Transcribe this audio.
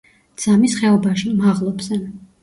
ძამის ხეობაში, მაღლობზე.